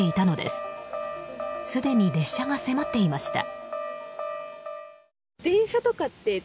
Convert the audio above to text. すでに列車が迫っていました。